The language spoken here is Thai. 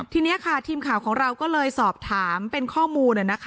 ทีนี้ค่ะทีมข่าวของเราก็เลยสอบถามเป็นข้อมูล